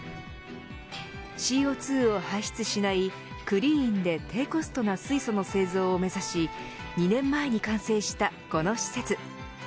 ＣＯ２を排出しないクリーンで低コストな水素の製造を目指し２年前に完成したこの施設。